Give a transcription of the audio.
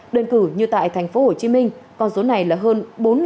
đơn cử như tại tp hcm con số này là hơn